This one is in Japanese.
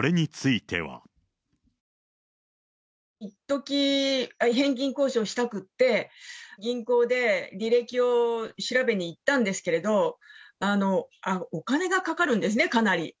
いっとき、返金交渉したくって、銀行で履歴を調べに行ったんですけれど、お金がかかるんですね、かなり。